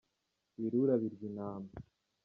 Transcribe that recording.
Ibirura birya intama.